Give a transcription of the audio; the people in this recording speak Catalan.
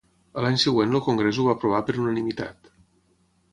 A l'any següent el congrés ho va aprovar per unanimitat.